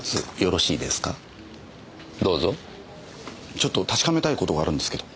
ちょっと確かめたい事があるんですけど。